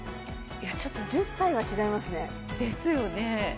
ちょっと１０歳は違いますねですよね